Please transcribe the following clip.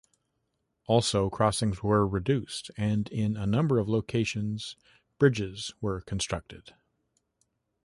Also crossings were reduced, and in a number of locations bridges were constructed.